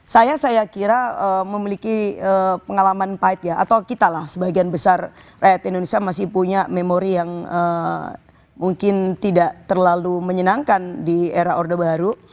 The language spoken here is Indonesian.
saya saya kira memiliki pengalaman pahit ya atau kita lah sebagian besar rakyat indonesia masih punya memori yang mungkin tidak terlalu menyenangkan di era orde baru